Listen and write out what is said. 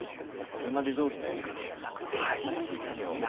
これまでどおりのやり方じゃなくて新しい種を。